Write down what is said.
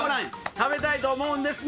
食べたいと思うんですが。